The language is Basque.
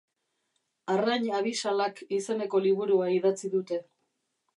Arrain abisalak izeneko liburua idatzi dute.